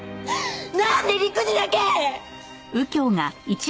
なんで陸にだけ？